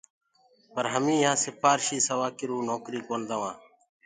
پر همي يهآنٚ سِپهارشي سِوا ڪِرو نوڪريٚ ڪونآ دوآنٚ۔